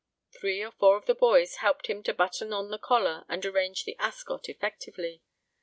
Three or four of the boys helped him to button on the collar and arrange the ascot effectively.